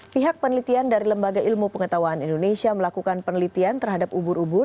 pihak penelitian dari lembaga ilmu pengetahuan indonesia melakukan penelitian terhadap ubur ubur